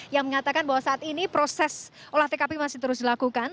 yang mengatakan bahwa saat ini proses olah tkp masih terus dilakukan